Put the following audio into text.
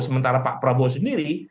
sementara pak prabowo sendiri